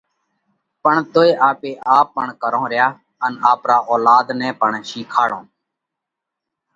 پڻ توئي آپي آپ پڻ ڪرونه ريا ان آپرا اولاڌ نئہ پڻ شِيکاڙونه